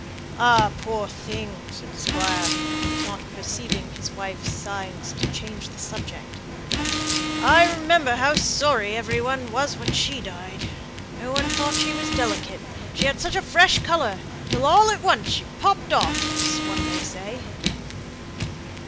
"Ah, poor thing," said the squire, not perceiving his wife's signs to change the subject, "I remember how sorry every one was when she died; no one thought she was delicate, she had such a fresh colour, till all at once she popped off, as one may say."